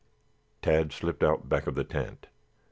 Tad slipped out back of the tent.